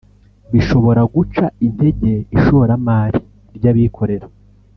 bishobora guca intege ishoramari ry’abikorera